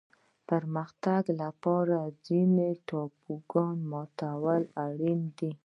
د پرمختګ لپاره د ځینو تابوګانو ماتول اړین دي.